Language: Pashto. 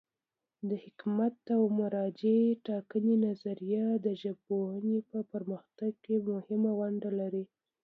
د حاکمیت او مرجع ټاکنې نظریه د ژبپوهنې په پرمختګ کې مهمه ونډه لري.